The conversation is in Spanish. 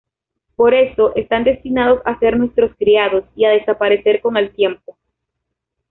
Por eso están destinados a ser nuestros criados y a desaparecer con el tiempo.